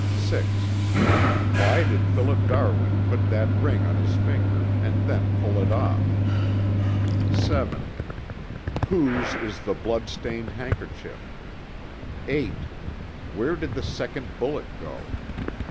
(6) Why did Philip Darwin put that ring on his finger and then pull it off? (7) Whose is the blood stained handkerchief? (8) Where did the second bullet go?